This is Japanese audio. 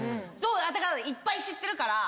だからいっぱい知ってるから。